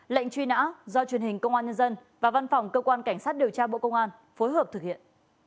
lệnh truy nã do truyền hình công an nhân dân và văn phòng cơ quan cảnh sát điều tra bộ công an phối hợp thực hiện